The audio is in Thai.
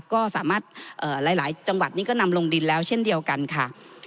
ก็สามารถหลายจังหวัดนี้ก็นำลงดินแล้วเช่นเดียวกันค่ะ